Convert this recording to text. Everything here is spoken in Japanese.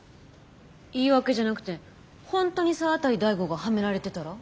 言い訳じゃなくてホントに沢渡大吾がハメられてたら？